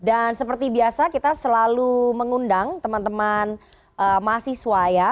dan seperti biasa kita selalu mengundang teman teman mahasiswa ya